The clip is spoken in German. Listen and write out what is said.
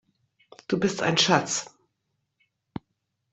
Du bist ein Schatz!